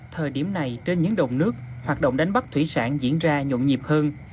thời điểm này trên những đồng nước hoạt động đánh bắt thủy sản diễn ra nhộn nhịp hơn